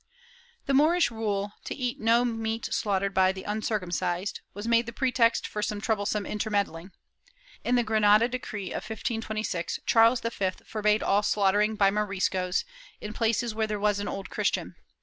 * The Moorish rule, to eat no meat slaughtered by the uncircum cised, was made the pretext for some troublesome intermeddling. In the Granada decree of 1526, Charles V forbade all slaughtering by Moriscos, in places where there was an Old Christian; where * Fonseca, p.